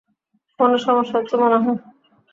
ফোনে সমস্যা হচ্ছে মনে হয়।